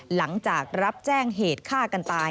หลังจากรับแจ้งเหตุฆ่ากันตาย